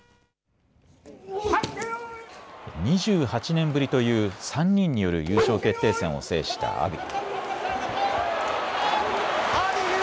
２８年ぶりという３人による優勝決定戦を制した阿炎。